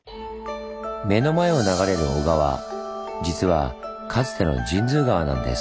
目の前を流れる小川実はかつての神通川なんです。